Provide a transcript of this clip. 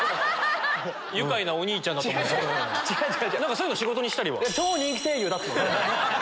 そういうの仕事にしたりは？